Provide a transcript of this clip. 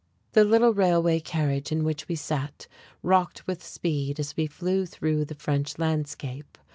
The little railway carriage in which we sat rocked with speed as we flew through the French landscape.